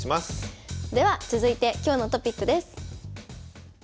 では続いて今日のトピックです。